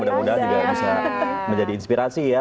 mudah mudahan juga bisa menjadi inspirasi ya